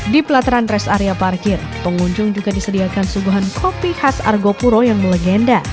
di pelataran rest area parkir pengunjung juga disediakan suguhan kopi khas argopuro yang melegenda